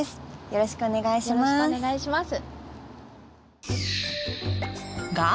よろしくお願いします。